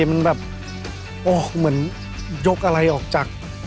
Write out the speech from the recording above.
มันแบบออกเหมือนยกอะไรออกจาก